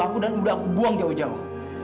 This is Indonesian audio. aku dan udah aku buang jauh jauh